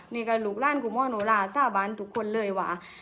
เนี่ยก็หลุกร่านกูม่อนูลาสาบานทุกคนเลยว่า